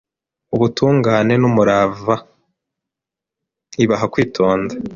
ubutungane n’umurava ibaha kwitonda